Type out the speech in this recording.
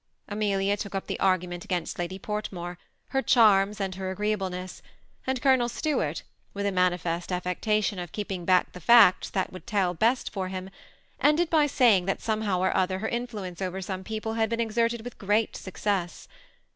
Amelia took up die argument against Lady Portmore ^ her charms and her agreeableness ; and Colonel Stuart, with a manifest affectation of keep ing back the iacts that would tell best for him, ended by saying that somehow or another her influence over 8on>e people had been exerted with great success.